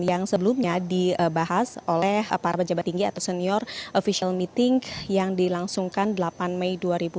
yang sebelumnya dibahas oleh para pejabat tinggi atau senior official meeting yang dilangsungkan delapan mei dua ribu dua puluh